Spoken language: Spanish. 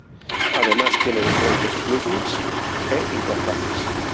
Además tiene diferentes plug-ins e interfaces.